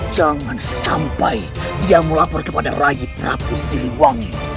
jangan sampai dia melapor kepada rai prabu siliwangi